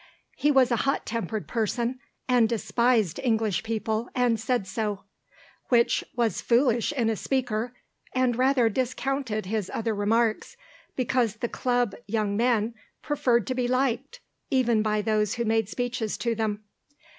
He was a hot tempered person, and despised English people and said so; which was foolish in a speaker, and rather discounted his other remarks, because the Club young men preferred to be liked, even by those who made speeches to them.